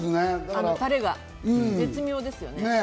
タレが、絶妙ですよね。